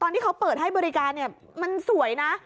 ตอนที่เขาเปิดให้บริการมันสวยนะ